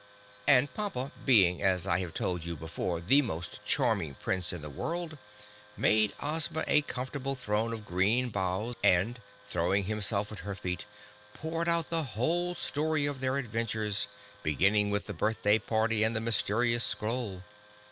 And Pompa, being as I have told you before the most charming Prince in the world, made Ozma a comfortable throne of green boughs and, throwing himself at her feet, poured out the whole story of their adventures, beginning with the birthday party and the mysterious scroll.